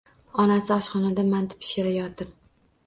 Onasi oshxonada manti pishirayotir.